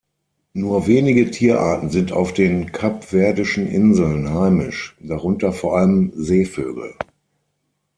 Nur wenige Tierarten sind auf den Kapverdischen Inseln heimisch, darunter vor allem Seevögel.